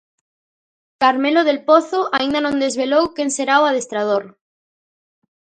Carmelo del Pozo aínda non desvelou quen será o adestrador.